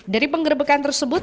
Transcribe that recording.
dari penggerbekan tersebut